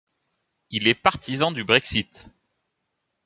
Il est partisan du Brexit.